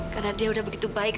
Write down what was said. karena dia udah begitu baik